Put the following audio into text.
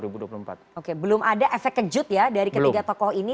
belum ada efek kejut ya dari ketiga tokoh ini